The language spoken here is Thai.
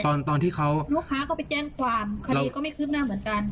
ตอนที่เขาลูกค้าก็ไปแจ้งความคดีก็ไม่คืบหน้าเหมือนกัน